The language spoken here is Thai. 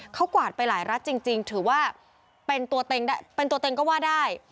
เขากวาดไปหลายรัฐจริงถือว่าเป็นตัวเป็นตัวเต็งก็ว่าได้